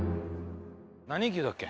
何牛だっけ？